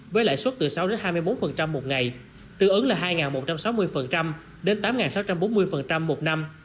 với lãi suất từ sáu hai mươi một một ngày tương ứng là hai một trăm sáu mươi đến tám sáu trăm bốn mươi một năm